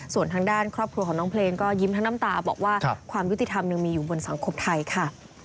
ส่วนทางด้านครอบครัวของน้องเพลงก็ยิ้มทั้งน้ำตาบอกว่าความยุติธรรมยังมีอยู่บนสังคมไทยค่ะ